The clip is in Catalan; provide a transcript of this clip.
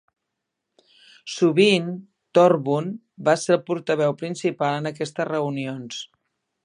Sovint, Thorburn va ser el portaveu principal en aquestes reunions.